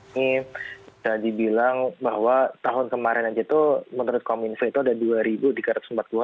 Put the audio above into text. kita dibilang bahwa tahun kemarin aja itu menurut kemenkon ivo itu ada dua tiga ratus empat puluh enam